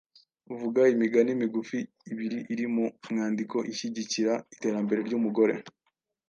Vuga imigani migufi ibiri iri mu mwandiko ishyigikira iterambere ry’umugore.